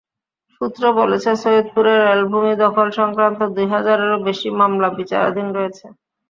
সূত্র বলেছে, সৈয়দপুরে রেলভূমি দখল-সংক্রান্ত দুই হাজারেরও বেশি মামলা বিচারাধীন রয়েছে।